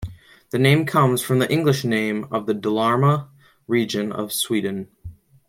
The name comes from the English name of the Dalarna region of Sweden.